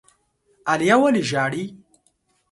عالیه ولي ژاړي؟